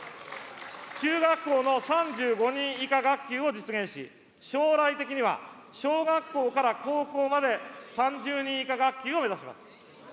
中学校の３５人以下学級を実現し、将来的には小学校から高校まで３０人以下学級を目指します。